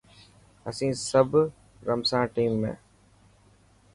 اسين سب رمسان ٽيم ۾.